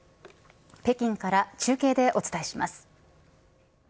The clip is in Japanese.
北京から中継でお伝えします。